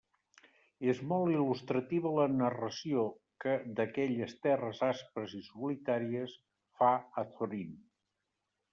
És molt il·lustrativa la narració que d'aquelles terres aspres i solitàries fa Azorín.